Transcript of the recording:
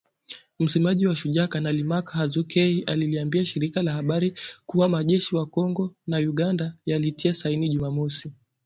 Msemaji wa Shujaa, Kanali Mak Hazukay aliliambia shirika la habari kuwa majeshi ya Kongo na Uganda yalitia saini Juma mosi